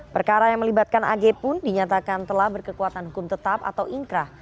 perkara yang melibatkan ag pun dinyatakan telah berkekuatan hukum tetap atau inkrah